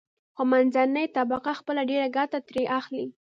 خو منځنۍ طبقه خپله ډېره ګټه ترې اخلي.